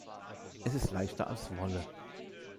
Es ist leichter als Wolle.